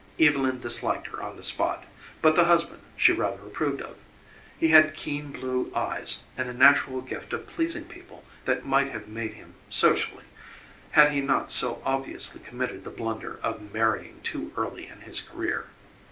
Evelyn disliked her on the spot, but the husband she rather approved of. He had keen blue eyes and a natural gift of pleasing people that might have made him, socially, had he not so obviously committed the blunder of marrying too early in his career.